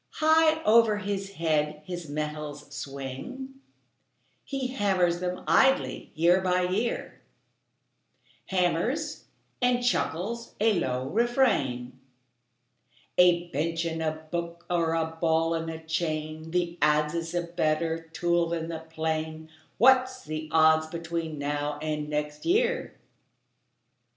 High over his head his metals swing; He hammers them idly year by year, Hammers and chuckles a low refrain: "A bench and a book are a ball and a chain, The adze is a better tool than the plane; What's the odds between now and next year?"